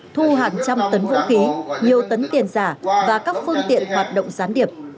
thu hàng trăm tấn vũ khí nhiều tấn tiền giả và các phương tiện hoạt động gián điệp